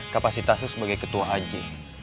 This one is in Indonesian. kapasitas lo sebagai ketua aja